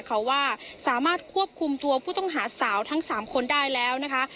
เขาว่าสามารถควบคุมตัวผู้ต้องหาสาวทั้ง๓คนได้แล้วนะคะ